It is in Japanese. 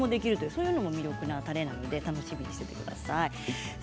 そういうのも魅力なたれなので楽しみにしていてください。